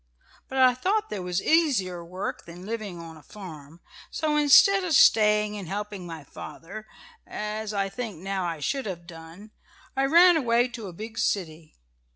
But I thought there was easier work than living on a farm, so, instead of staying and helping my father, as I think now I should have done, I ran away to a big city.